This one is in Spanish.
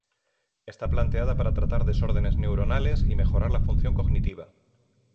Está planteada para tratar desórdenes neuronales y mejorar la función cognitiva.